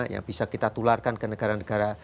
yang bisa kita tularkan ke negara negara